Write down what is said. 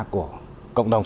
của cộng đồng